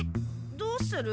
どうする？